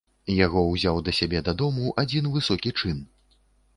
Яго ўзяў да сябе дадому адзін высокі чын.